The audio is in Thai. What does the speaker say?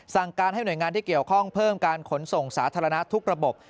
สั่งการให้หน่วยงานที่เกี่ยวข้องเพิ่มการขนส่งสาธารณะทุกระบบ